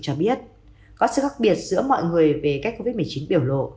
cho biết có sự khác biệt giữa mọi người về cách covid một mươi chín biểu lộ